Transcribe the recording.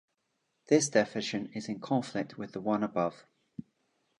This definition is in conflict with the one above.